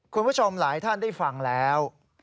คุณผู้ชมหลายท่านได้ฟังแล้ว